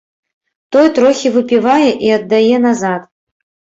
Той трохі выпівае і аддае назад.